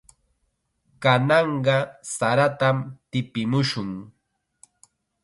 Kananqa saratam tipimushun.